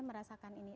saya merasakan ini